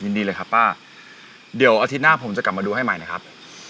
ยินดีเลยครับป้าเดี๋ยวอาทิตย์หน้าผมจะกลับมาดูให้ใหม่นะครับ